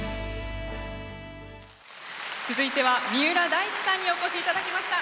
続いては三浦大知さんにお越しいただきました。